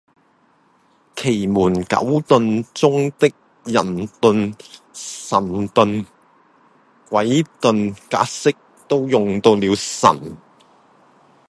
奇門九遁中的人遁、神遁、鬼遁格式都用到了神